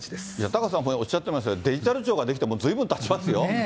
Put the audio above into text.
タカさん、おっしゃってましたけど、デジタル庁が出来てもうずいぶんたちますよ。